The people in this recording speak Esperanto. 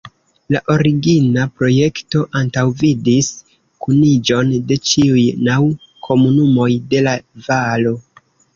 La origina projekto antaŭvidis kuniĝon de ĉiuj naŭ komunumoj de la valo.